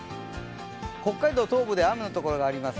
北海道東部で雨のところがあります。